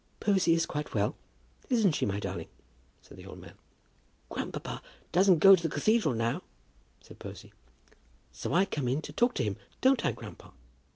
"Posy is quite well; isn't she, my darling?" said the old man. "Grandpa doesn't go to the cathedral now," said Posy; "so I come in to talk to him. Don't I, grandpa?"